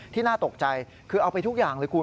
น่าตกใจคือเอาไปทุกอย่างเลยคุณ